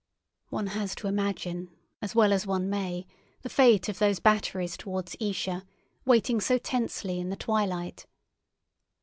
One has to imagine, as well as one may, the fate of those batteries towards Esher, waiting so tensely in the twilight.